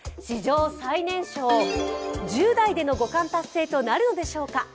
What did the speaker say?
史上最年少１０代での五冠達成となるのでしょうか。